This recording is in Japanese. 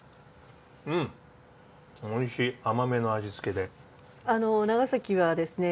うんおいしい甘めの味付けで長崎はですね